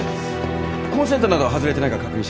コンセントなど外れてないか確認してください。